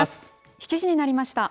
７時になりました。